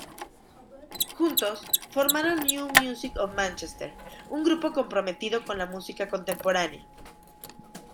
Juntos formaron New Music of Manchester, un grupo comprometido con la música contemporánea.